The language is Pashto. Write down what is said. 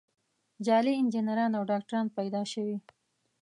جعلي انجینران او ډاکتران پیدا شوي.